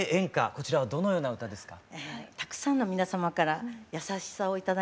こちらはどのような歌ですか？